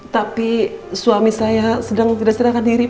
tapi suami saya sedang tidak serahkan diri